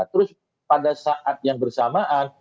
terus pada saat yang bersamaan